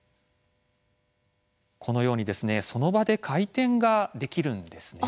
このようにその場で回転ができるんです。